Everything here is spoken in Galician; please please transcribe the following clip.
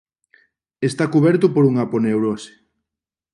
Está cuberto por unha aponeurose.